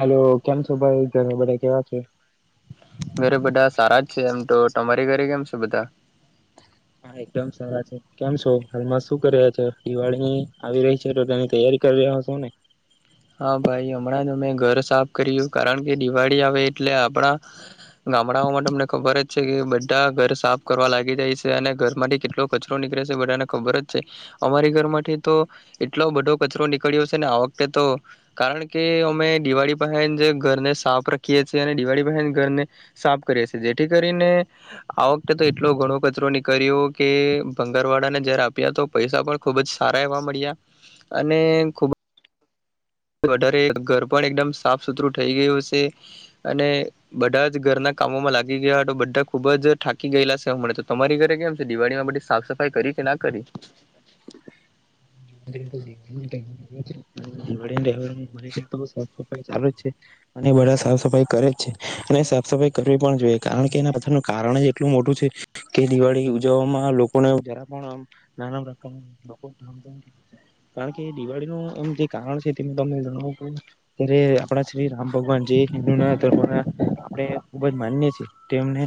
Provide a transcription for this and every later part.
હાલો કેમ છો ભાઈ ઘરે બધા કેવા છે? ઘરે બધા સારા જ છે એમ તો તમારી ઘરે કેમ છ બધા. હા એકદમ સારા છે કેમ છો હાલમાં શું કર રહ્યા છેો દિવાળી આવી રહી છે તો તેની તૈયારી કરી રહ્યા છો ને. હા ભાઈ હમણાં જ અમે ઘર સાફ કર્યું કારણ કે દિવાળી આવે એટલે આપણા ગામડાઓ માટે અમને ખબર જ છે કે બધા ઘર સાફ કરવા લાગી જાય છે અને ઘર મા થી કેટલો કચરો નીકળે છે બધાને ખબર જ છે અમારી ઘર માટેથી તો એટલો બધો કચરો નીકળ્યો છે ને આ વખતે તો કારણ કે અમે દિવાળી પહે જ ઘરને સાફ રખીએ છેીએ અને દિવાળી પસે ઘરને સાફ કરીએ છીએ જેથી કરીને આ વખતે તો એટલો ઘણો કચરો નીકળ્યો કે ભંગારવાડાને જયારે આપ્યા તો પૈસા પણ ખુબ જ સારા એવા મળ્યા અને ખૂબ વધારે ઘર પણ એકદમ સાફ સુથરું થઈ ગયું હ છે અને બધા જ ઘરના કામોમાં લાગી ગયા તો બધા ખૂબ જ થાકી ગયેલા શે હ તો તમારી ઘરે કેમ છે દિવાળીમાં બધી સાફ સફાઈ કરી કે ના કરી તો દિ તો સાફ સફાઈ ચાલુ જ છે અને બધા સાફ સફાઈ કરે જ છે અને સાફ સફાઈ કરવી પણ જોઈએ કારણ કે એના બધાનું કારણ જ એટલું મોટું છે કે દિવાળી ઉજવવામાં લોકોને જરા પણ આમ નાના પ્રકાર લોકો ધામધામ છે કારણ કે દિવાળીનું એમ જે કારણ છે. તે તમને જણાવું છુ જે આપણા શ્રી રામ ભગવાન જે હિન્દુ ના ધર્મ ના આપણે ખુબ જ માન્ય છીએ તેમને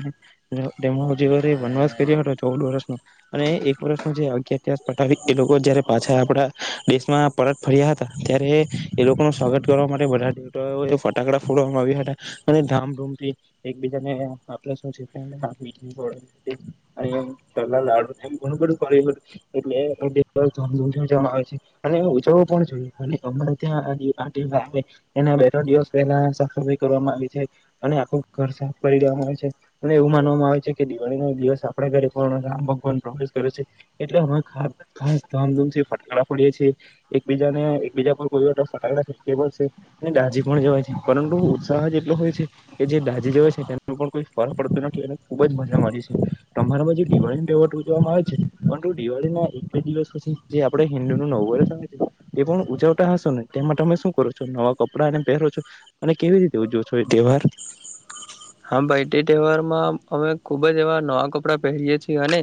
તેમનો જે વનવાસ કર્યો હતો ચૌદ વર્ષનો અને એક વર્ષ ન જે અગતિ પઠાવી એ લોકો જયારે પાછા આપડા દેશમાં પરત ફર્યા હતા ત્યારે એ લોકોનું સ્વાગત કરવા માટે બધા દેવતાઓ એ ફટાકડા ફોડવામાં આવ્યા હતા અને ધામધૂમથી એકબીજાને આપું એટલે ધધૂથી ઉજ આવે છે અને ઉજવો જોઈએ. ત્યા [unintelligible] એના બે ત્રણ દિવસ પહેલા સફાઈ કરવામાં આવી છે અને આખું ઘર સાફ કરી દેવામાં આવે છે અને એવું માનવામાં આવે છે કે દિવાળી નો દિવસ આપણા ઘરે પણ રામ ભગવાન પ્રવેશ કરે છે એટલે ખાસ ધામધૂમ થી ફટાકડા ફો ડીએ છીએ એકબીજાને એકબીજા પર લ છે અને દાઝી પણ જવાય છે પરંતુ ઉત્સાહ જ એટલો હોય છે કે જે દાઝી જવાય છે તેનો પણ કોઈ ફરક પડતો નથી અને ખુબ જ મજા માનવે છે તમારા બાજુ દિવાળી ન વહીવટ ઉજવવામાં આવે છે પરંતુ દિવાળી ના એક જ દિવસ પછી જે આપડ હિન્દુ ન નવું વર્ષ આવે છે એ પણ ઉજ [unintelligible] તેમાં તમે શું કરો છો નવા કપડાં એને પહેરો છો અને કેવી રીતે ઉજો છો એ તહેવાર. હા ભાઈ તે તહેવારમાં અમે ખુબ જ એવા નવા કપડાં પહેરીએ છીએ અને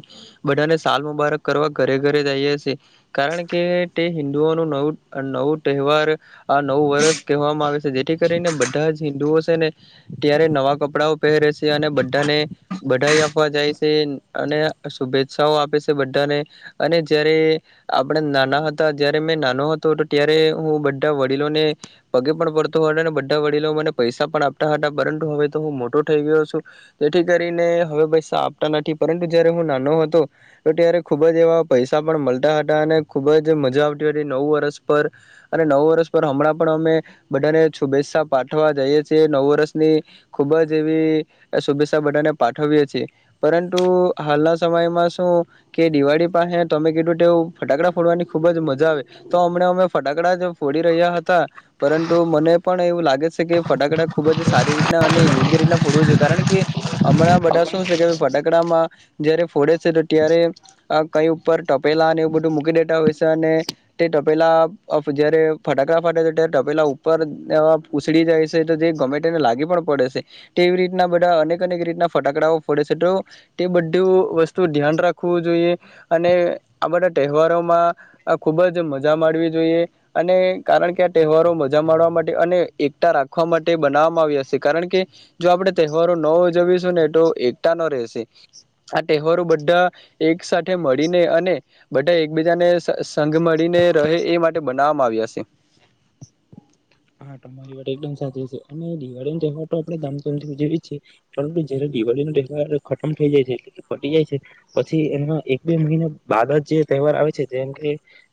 બધાને સાલ મુબારક કરવા ઘરે ઘરે જઈએ છીએ. કારણ કે હિન્ંદુઓ ન નવું નવું તહેવાર આ નવું વર્ષ કહેવામાં આવે છે જેથી કરીને બધા જ હિન્ંદુઓ છે ને ત્યારે કપડાઓ પહેરે છે અને બધાને બધાઈ આપવા જાય છે અને શુભેચ્છાઓ આપે છે બધાને અને જયારે આપડા નાના હતા જયારે મેં નાનો હતો હતો ત્યારે હું બધા વડીલોને પગે પણ પડતો હતો હતો અને બધા વડીલો મને પૈસા પણ આપતા હતા પરંતુ તો હું મોટો થઈ ગયો છું જેથી કરીને હવે પૈસા આપતા નથી પરંતુ જયારે હું નાનો હતો તો ત્યારે ખુબ જ એવા પૈસા પણ મળતા હતા અને ખુબ જ મજા આવતી હતી નવ વર્ષ પર અને નવ વર્ષ પર હમણાં પણ અમે બધાને શુભેચ્છા પાઠવા જઈએ છીએ નવ વર્ષની ખૂબ જ એવી શુભેચ્છા બધાને પાઠવીએ છીએ પરંતુ હાલના સમયમાં શું કે દિવાળી પાસે તમે કીધું તેવ ફટાકડા ફોડવાની ખૂબ જ મજા આવે તો હમણાં અમે ફટાકડા જ ફોડી રહ્યા હતા પરંતુ મને પણ એવું લાગે છે કે ફટાકડા ખૂબ જ સા યોગ્ય રીતના ફોડવું જોઈએ કારણ કે હમણાં બધા શું છે કે ફટાકડામાં જયારે ફોડે છે તો ત્યારે કઈ ઉપર ટપેલા અને એવું બધું મૂકી દેતા હોય છે અને તે ટપેલા જયારે ફટકડા ફાટે છે ત્યારે ટપેલા ઉપર ઉસળ જાય છે તો જે ગમે તેને લાગી પડે છે તેવી રીતના બધા અનેકક રીતના ફટાકડાઓ ફડે છે તો તે બધું વસ્તુ ધ્યાન રાખવું જોઈએ અને આ બધા તહેવારોમાં ખુબ જ મજા માવી જોઈએ અને કારણ કે આ તહેવારો મજા માડવા માટે અને એકતા રાખવા માટે બનાવવામાં આવે છે કારણ કે જો આપણે તહેવારો ન ઉજવીશું ને તો એકતા ન રહેશે આ તહેવારો બધા એક સાથે મળીને અને બધા એકબીજાને સંઘ મળીને રહે એ માટે બનાવવામાં આવ્યા છે. હા તમારી વાત એકદમ સાચી છે અને દિવાળી નો તહેવાર તો આપડણે ધામધૂમથી ઉજવીએ જીએ પરંતુ જયારે દિવાળી નો તહેવાર ખતમ થઇ જાય છે એટલે કે ફટી જાય છે પછી એમાં એક બે મહિના બાદ જ જે તહેવાર આવે છે જેમ કે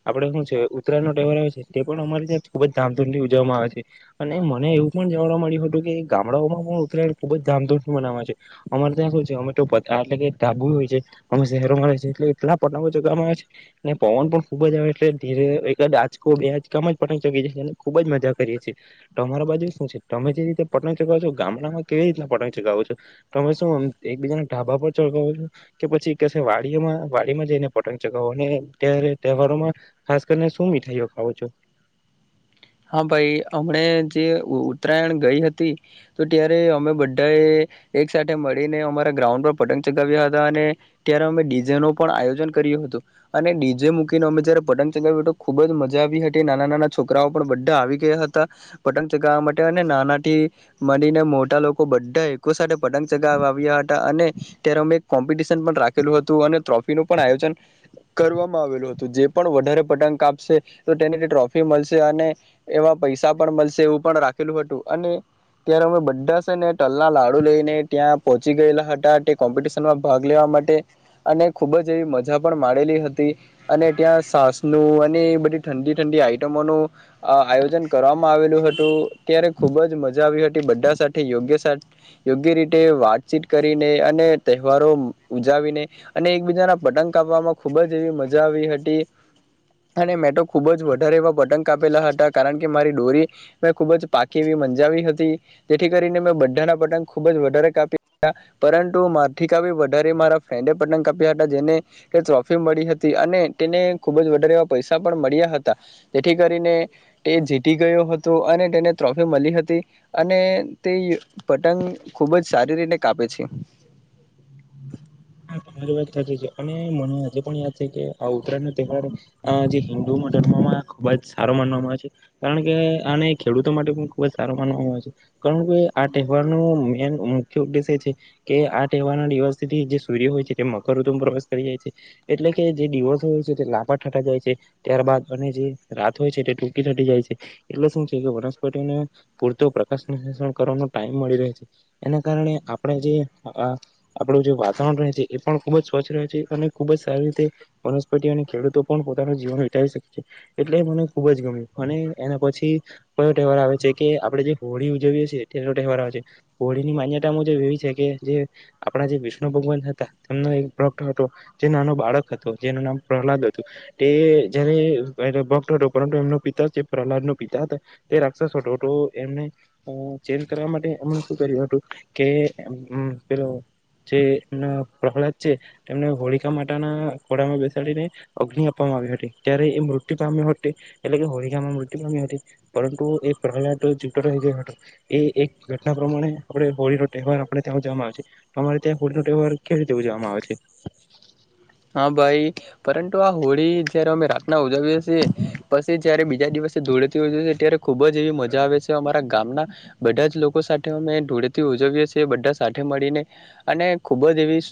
આપડે શું છે ઉત્તરાય નો તહેવાર આવે છે તે પણ અમારી ત્યાં ખુબ જ ધામધૂમથી ઉજવવામા અને મને એવું પણ જાણવા મળ્યું હતું કે ગામડાઓમાં પણ ઉતરાય ખુબ જ ધામધૂમ બનાવે છે અમારે ત્યાંખ છે અમે તો એટલે કે ધાબુ હોય છે અમે શહેરોમાં રી એટલે એટલા પતંગો ચગવામાં આવે છે ને પવન પણ ખુબ જ આવે એટલે ધીરે એક જ આંચકો બે આંચકામાં જ પતંગ ચગી જાય છેને ખુબ જ કરીએ છીએ તમારા બાજુ શું છે તમે જે રીતે પતંગ ચગાવો છો ગામડામાં કેવી રીતના પતંગ ચગાવો છો તમે શું એકબીજાના ઢાબા પર ચગાવો છો કે પછી વાડીમાં વાડીમાં જઈને પતંગ ચગાવોને ત્યારે તહેવારોમાં ખાસ કરીને શું મીઠાઈઓ ખાવો છો. હા ભાઈ અમણા જે ઉત્તરાયણ ગઈ હતી તો ત્યારે અમે બધાએ એક સાથે મળીને અમારા ગ્રાઉન્ડ પર પતંગ ચગાવ્યા હતા અને ત્યારે અમે ડીજે નું પણ આયોજન કર્યું હતું અને ડીજે મૂકીને અમે જયારે પતંગ ચગાવ્યું તો ખુબ જ મજા આવી હતી નાના નાના છોકરાઓ. બધા આવી ગયા હતા પતંગ ચગાવવા માટે અને નાના થી મળીને મોટા લોકો બધા એકકો સાથે પતંગ ચગાવ આવ્યા હતા અને ત્યારે અમે એક કોમ્પિટશન પણ રાખેલું હતું અને ટ્રોફીનું પણ આયોજન કરવામાં આવેલું હતું જે પણ વધારે પતંગ આપશે તો તેને ટ્રોફી મળશે. અને એવા પૈસા પણ મળશે એવું પણ રાખેલું હતું અને ત્યારે અમે બધા છે ને ટલના લાડુ લઈને ત્યાં પહોંચી ગયેલા હતા તે કોમ્પિટિશનમાં ભાગ લેવા માટે અને ખુબ જ એવી મજા પણ માેલી હતી અને ત્યાં સાસ નું અને એ બધી ઠંડી ઠંડી આઈટમોનું આ આયોજન કરવામાં આવેલું હતું ત્યારે ખુબ જ મજા આવી હતી બધા સાથે યોગ્ય યોગ્ય રીતે વાતચીત કરીને અને તહેવારો ઉજાવીને અને એકબીજાના પતંગ કાપવામાં ખુબ જ એવી મજા આવી હતી અને મે તો ખુબ જ વધારે એવા પતંગ કારણ કે મારી ડોરી મે ખૂબ જ પાકી એવી મંજાવી હતી જેથી કરીને મેં બધાના પતંગ ખુબ જ વધારે કાપ્યા પરંતુ માથી કાપી વધારે મારા ફ્રેન્ડ પતંગ કાપ્યા હતા જેને ટ્રોફી મળી હતી અને તેને ખૂબ જ વધારે એવા પૈસા પણ મળ્યા હતા. ઠી કરીને તે જીતી ગયો હતો અને તેને ટ્રોફી મળી હતી અને તે પતંગ ખૂબ જ સારી રીતે કાપે છે. અને મને આજે પણ યાદ છે કે આ ઉત્તરાયણનો તહેવાર જે હિન્દુઓ ધર્મમાં ખૂબ જ સારો માનવામાં આવે છે કારણ કે આને ખેડૂતો માટે પણ ખૂબ જ સારો માનવામાં આવે છે કારણ કે આ તહેવારનો મેન મુખ્ય ઉદ્દેશ્ય છે કે આ તહેવારના દિવસથી જે સૂર્ય હોય છે. મકર ઋતુમાં પ્રવેશ કરી જાય છે એટલે કે જે દિવસો હોય છે તે લાંબા થટા જાય છે ત્યારબાદ અને જે રાત હોય છે તે ટૂંકી થટી જાય છે એટલે શું છે કે વનસ્પતિને પૂરતો પ્રકાશ કરવાનો ટાઈમ મળી રહે છે એના કારણે આપણે જે આપણું જે વાતાવરણ રહે છે. એ પણ ખૂબ જ સ્વચ્છ રહે છે અને ખૂબ જ સારી રીતે વનસ્પતિ અને ખેડૂતો પણ પોતાનું જીવન વિતાાવી શકે છે એટલે મને ખૂબ જ ગમ્યું અને એના પછી કયો તહેવાર આવે છે કે આપણે જે હોળી ઉજવીએ છીએ એહેલો તહેવાર આવે છે હોળીની માન્યતા મુજબ એવી છે કે જે આપણા જે વિષ્ણુ ભગવાન હતા. એક ભત હતો જે નાનો બાળક હતો જેનું નામ પ્રહલાદ હતું તે જારે ભકત હતો પરંતુ એમનો પિતા પ્રહલાદ ન પિતા હતા તે રાક્ષસ હતો તો એમને ચે કરવા માટે એમ શ કર્યું હતું કે પે જે પ્રહલાદ છે તેમને હોળીિકા માટના ઘોડામાં બેસાડીને અગ્નિ આપવામાં આવી હતી ત્યારે એ મૃત્યુ પામ્યો હતો એટલે કે હોળીિકામાં મૃત્યુ પામ્યો હતી પરંતુ એ પ્રહલાદ જૂતોો રહી ગયો હતો એ એક ઘટના પ્રમાણે આપણે હોળીનો તહેવાર આપણે ત્યાં ઉજવામાં આવે્યો છે તો અમારે ત્યાં હોળીનો તહેવાર કેવી રીતે ઉજવવામાં આવે છે. હા ભાઈ પરંતુ આ હોળી જય્યારે અમે રાતના ઉજવીએ છીએ પછી જયારે બીજા દિવસે ધૂળેથી ઉજવીએ છીએ ત્યારે ખુબ જ એવી મજા આવે છે અમા. ગામના બધા જ લોકો સાથે અમે ધૂળેતી ઉજવીએ છીએ બધા સાથે મળીને અને ખુબ જ એવી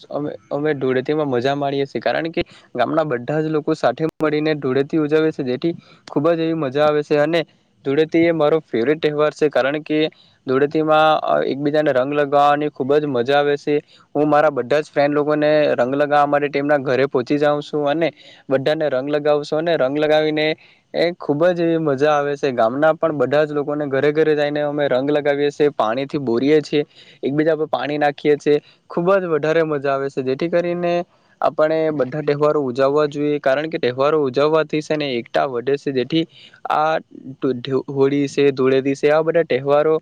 અમે ધૂળેતીમાં મજા માીએ છએ. કારણ કે ગામના બધા જ લોકો સાથે મળીને ધૂળેતી ઉજવે છે જેથી ખુબ જ એવી મજા આવે છે અને ધૂળેતી એ મારો ફેવરેટ તહેવાર છે કારણ કે ધૂળેતીમાં એકબીજાને રંગ લગાવવાની ખુબ જ મજા આવે છે હું મારા બધા જ ફ્રેન્ડ લોકોને રંગ લગાવવા માટે મના ઘરે પહોંચી જઉશું અને બધાને રંગ લગાવશું અને રંગ લગાવીને એ ખુબ જ એવી મજા આવે છે ગામના પણ બધા જ લોકોને ઘરે ઘરે જઈને અમે રંગ લગાવીએ છેએ પાણીથી બોરીએ છીએ એકબીજા પર પાણી નાખીએ છીએ ખુબ જ વધારે મજા આવે છે જેથી કરીને આપણે બધા તહેવારો ઉજવવા જ જોઈએ કારણ કે તહેવારો ઉજવવાથી છે ને એકઠા વધે છે જેથી આ હોળી છે ધૂળેદી છે આ બધા તહેવારો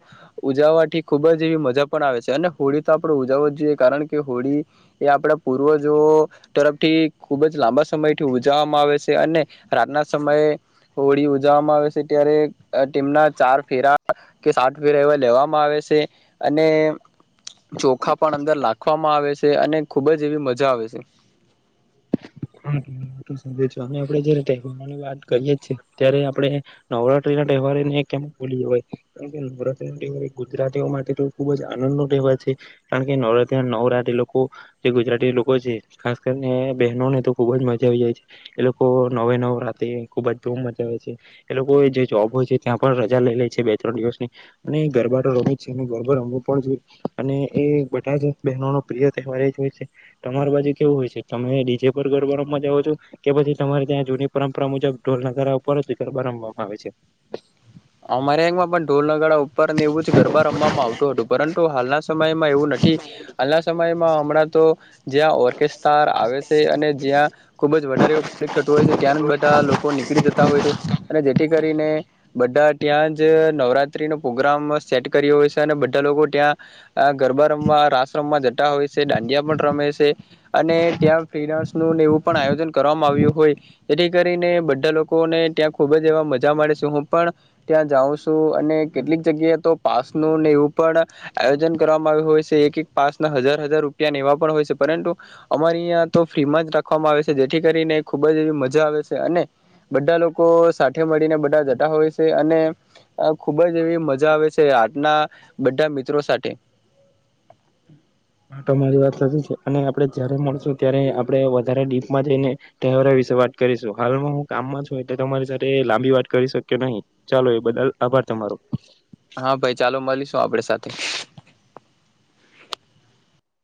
ઉજવવાથી ખુબ જ એવી મજા પણ આવે છે અને હોળી તો આપડ ઉજવ જોઈએ કારણ કે હોળી એ આપડા પૂર્વજો તરફથી ખૂબ જ લાંબા સમયથી ઉજવવામાં આવે છે અને રાતના સમયે હોળી ઉજવવામાં આવે છે ત્યારે તેમના ચાર ફેરા કે સાત ફેરા એવા લેવામાં આવે છે અને ચોખા પણ અંદર લખવામાં આવે છે અને ખૂબ જ એવી મજા આવે છે. આપડે જયારે તહેવારોની વાત કરીયએ ત્યારે આપણે નવરાત્રી ના તહેવારને કેમ બોલીએવાય કારણકે નવરાત્રી ના તહેવાર ગુજરાતીઓ માટે તો ખુબ જ આનંદ નો તહેવાર છે કારણકે નવરાત નવરાત્રી લોકો જે ગુજરાતી લોકો છે ખાસ કરીને બહેનોને તો ખૂબ જ મજા આવી જાય છે એ લોકો નવે નવ રાતે ખૂબ જ જો મજા આવે છે એ લોકો જે જોબ હોય છે ત્યાં પણ રજા લઈ લે છે બે ત્રણ દિવસની અને એ ગરબા રમી છે અને ગરબા રમવો પણ જોઈએ અને એ બધા જ બહેનોનો પ્રિય તહેવાર એ જ હોય છે તમારી બાજુ કેવું હોય છે તમે ડીજે ર ગરબાવા જાવ છો કે પછી તમારે ત્યાં જૂની પરંપરા મુજબ ઢોલ નગારા ઉપર જ ગરબા રમવામાં આવે છે. અમારે માં પણ ઢોલ ઉપરને એવું જ ગરબા રમવામાં આવતું હતું પરંતુ હાલના સમયમાં એવું નથી હાલના સમયમાં અણા તો જ્યાં ઓર્કેસ્ટાર આવે છે અને જ્યાં ખુબ જ વધારે એવ પ્લિક થતું હોય છે ત્યાં બધા લોકો નીકળી જતા હોય છે અને જેથી કરીને બધા ત્યાં જ નવરાત્રીનો પ્રગ્રામ સેટ કર્યો હોય છે અને બધા લોકો ત્યાં ગરબા રમવા રાસ રમવા જતા હોય છે દાંડિયા પણ રમે છે અને ત્યાં ફ્રી ડાન્સ ન એવું પણ આયોજન કરવામાં આવ્યું હોય જેથી કરીને બધા લોકોને ત્યાં ખુબ જ એવા મજા મળે છે હું પણ ત્યાં જાઉં છું અને કેટલીક જગ્યાએ તો પાસ નુંને એવું પણ આયોજન કરવામાં આવ્યું હોય છે એક એક પાસના હજાર હજાર રૂપિયાને એવા પણ હોય છે પરંતુ અમારી અં તો ફ્રીમાં જ રાખવામાં આવે છે જેથી કરીને ખુબ જ એવી મજા આવે છે અને બધા લોકો સાથે મળીને બધા હોય છે અને ખુબ જ એવી મજા આવે છે આટના બધા મિત્રો સાથે હા તો મારી વાત સાચી છે અને આપડે જયારે મળશું ત્યારે આપડણે વધારે ડીપમાં જઈને તહેવારો વિશે વાત કરીશું હાલમાં હું કામમાં છું એટલે તમારી સાથે લાંબી વાત કરી શક્યો નહીં ચાલો એ બદલ આભાર તમારો. હા ભાઈ ચાલો મળીશું આપડ સાથે.